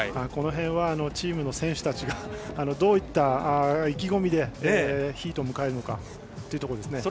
この辺はチームの選手たちがどういった意気込みでヒートを迎えるのかということです。